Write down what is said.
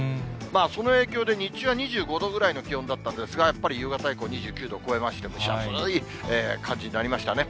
その影響で日中は２５度くらいの気温だったんですが、やっぱり夕方以降、２９度を超えまして、蒸し暑い感じになりましたね。